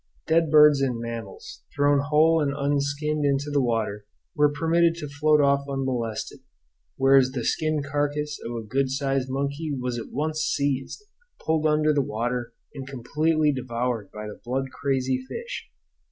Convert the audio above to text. Dead birds and mammals, thrown whole and unskinned into the water were permitted to float off unmolested, whereas the skinned carcass of a good sized monkey was at once seized, pulled under the water, and completely devoured by the blood crazy fish.